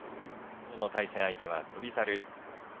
きょうの対戦相手は翔猿。